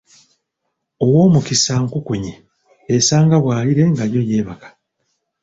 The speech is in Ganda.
Ow'omukisa nkukunyi, esanga bwalire nga yo yeebaka!